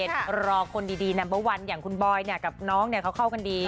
เออใจเย็นรอคนดีนัมเบอร์วันอย่างคุณบอยเนี่ยกับน้องเนี่ยเขาเข้ากันดี